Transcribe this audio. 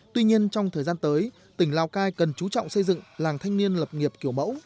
tuy nhiên trong thời gian tới tỉnh lào cai cần chú trọng xây dựng làng thanh niên lập nghiệp kiểu mẫu